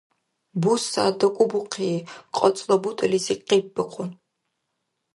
БусягӀят дакӀубухъи, кьацӀла бутӀализи къиббухъун.